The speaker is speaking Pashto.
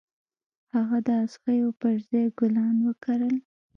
هغه د اغزيو پر ځای ګلان وکرل.